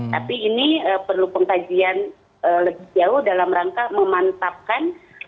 tapi ini perlu pengkajian lebih jauh dalam rangka memantapkan